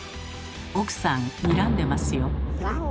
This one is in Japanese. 奥さんにらんでますよ。